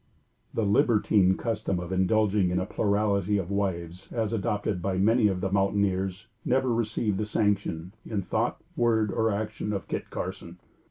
The libertine custom of indulging in a plurality of wives, as adopted by many of the mountaineers, never received the sanction, in thought, word or action, of Kit Carson.